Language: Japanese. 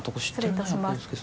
失礼いたします。